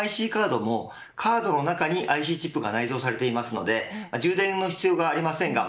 ＩＣカードもカードの中にＩＣチップが内蔵されていますので充電の必要がありません。